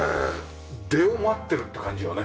出を待ってるって感じよね